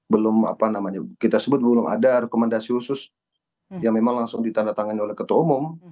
belum apa namanya kita sebut belum ada rekomendasi khusus yang memang langsung ditandatangani oleh ketua umum